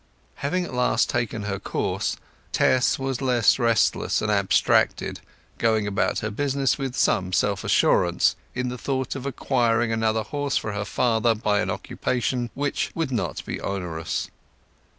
Having at last taken her course Tess was less restless and abstracted, going about her business with some self assurance in the thought of acquiring another horse for her father by an occupation which would not be onerous.